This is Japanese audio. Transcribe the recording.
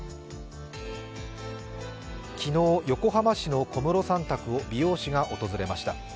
昨日、横浜市の小室さん宅を美容師が訪れました。